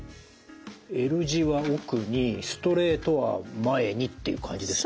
Ｌ字は奥にストレートは前にっていう感じですか？